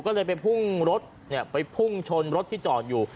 ก็เลยไปพุ่งรถไปพุ่งชนรถที่จอดอยู่